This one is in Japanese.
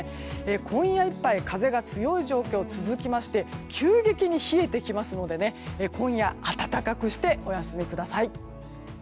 今夜いっぱい風が強い状況が続きまして急激に冷えてきますので今夜、温かくしてお休みください。